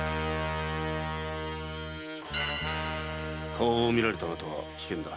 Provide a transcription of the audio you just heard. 顔を見られたあなたは危険だ。